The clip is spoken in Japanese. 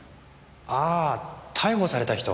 あぁ逮捕された人。